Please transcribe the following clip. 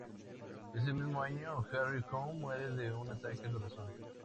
Ese mismo año, Harry Cohn muere de un ataque al corazón.